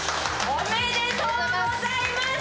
おめでとうございます。